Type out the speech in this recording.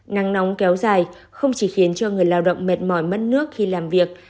nắng nóng kéo dài không chỉ khiến cho người lao động mệt mỏi mất nước khi làm việc